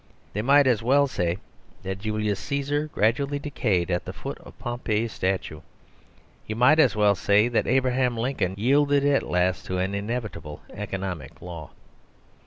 They might as well say that Julius Caesar gradually decayed at the foot of Pompey's statue. You might as well say that Abraham Lincoln yielded at last to an inevitable economic law.